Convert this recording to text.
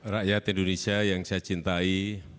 rakyat indonesia yang saya cintai